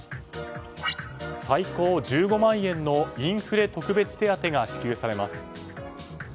最高１５万円のインフレ特別手当が支給されます。